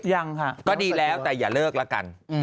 ยังค่ะก็ดีแล้วแต่อย่าเลิกละกัน